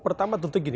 pertama tentu gini